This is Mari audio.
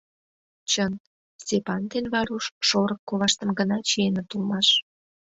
Чын, Степан ден Варуш шорык коваштым гына чиеныт улмаш.